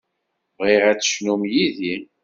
Bɣiɣ ad tecnum yid-i.